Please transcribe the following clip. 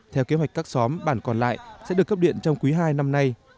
theo kế hoạch các xóm bản còn lại sẽ được cấp điện trong quý hai năm nay